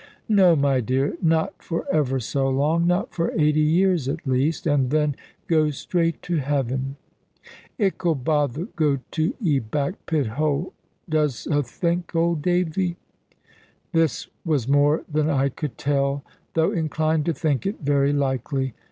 "No, my dear, not for ever so long. Not for eighty years at least. And then go straight to heaven!" "Ickle bother go to 'e back pit hole? Does 'a think, old Davy?" This was more than I could tell, though inclined to think it very likely.